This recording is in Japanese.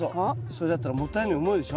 それだったらもったいないように思うでしょ？